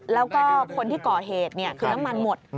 แล้วก็คนที่ก่อเหตุคือน้ำมันหมด